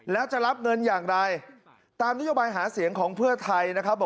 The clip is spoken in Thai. แล้วจะรับเงินอย่างไรตามนโยบายหาเสียงของเพื่อไทยนะครับ